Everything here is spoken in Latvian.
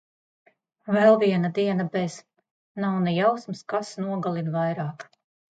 Vēl viena diena bez... Nav ne jausmas, kas nogalina vairāk...